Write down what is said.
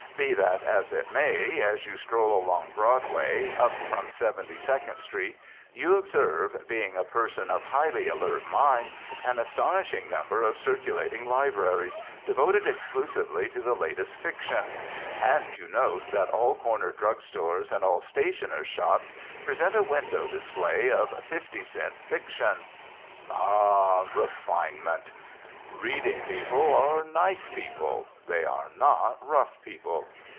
Be that as it may. As you stroll along Broadway, up from Seventy second Street, you observe, being a person of highly alert mind, an astonishing number of circulating libraries, devoted exclusively to the latest fiction. And you note that all corner drug stores and all stationers' shops present a window display of "50 cent fiction." Ah! refinement. Reading people are nice people; they are not rough people.